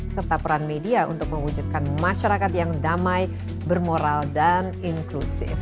serta peran media untuk mewujudkan masyarakat yang damai bermoral dan inklusif